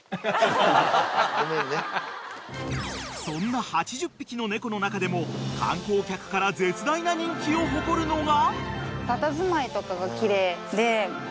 ［そんな８０匹の猫の中でも観光客から絶大な人気を誇るのが］